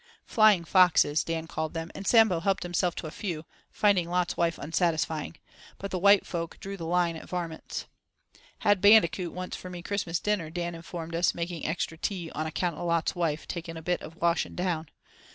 "Flying foxes," Dan called them, and Sambo helped himself to a few, finding "Lot's wife" unsatisfying; but the white folk "drew the line at varmints." "Had bandicoot once for me Christmas dinner," Dan informed us, making extra tea "on account of 'Lot's wife'" taking a bit of "washing down."